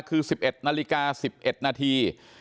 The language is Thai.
คือ๑๑นาฬิกา๑๑นาที